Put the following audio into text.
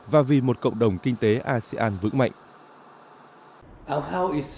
và vì một cộng đồng kinh tế asean vững mạnh